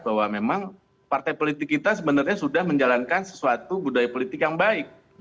bahwa memang partai politik kita sebenarnya sudah menjalankan sesuatu budaya politik yang baik